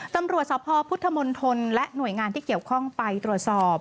ตำรวจสภพุทธมณฑลและหน่วยงานที่เกี่ยวข้องไปตรวจสอบ